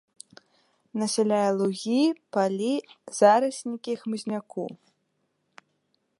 Насяляе лугі, палі, зараснікі хмызняку.